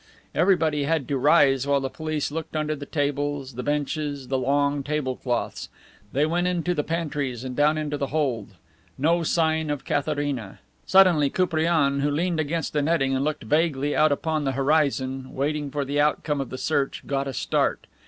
Everybody had to rise while the police looked under the tables, the benches, the long table cloths. They went into the pantries and down into the hold. No sign of Katharina. Suddenly Koupriane, who leaned against a netting and looked vaguely out upon the horizon, waiting for the outcome of the search, got a start.